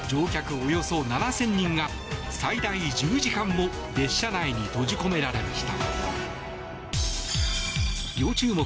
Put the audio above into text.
およそ７０００人が最大１０時間も列車内に閉じ込められました。